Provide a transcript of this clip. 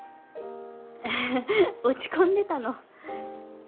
落ち込んでたの。